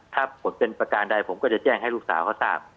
ถ้าผลเป็นประการใดผมก็จะแจ้งให้ลูกสาวเขาทราบ